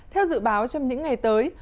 theo dự báo trong những ngày tới